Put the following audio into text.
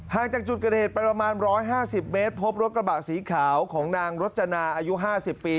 จากจุดเกิดเหตุประมาณ๑๕๐เมตรพบรถกระบะสีขาวของนางรจนาอายุ๕๐ปี